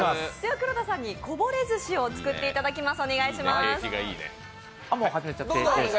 黒田さんにこぼれ寿司を作っていただきます。